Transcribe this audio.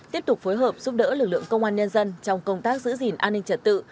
tiếp tục phối hợp giúp đỡ lực lượng công an nhân dân trong công tác giữ gìn an ninh trật tự